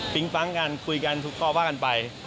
ฟังกันคุยกันทุกข้อว่ากันไป